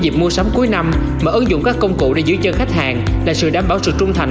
dịp mua sắm cuối năm mà ứng dụng các công cụ để giữ chân khách hàng là sự đảm bảo sự trung thành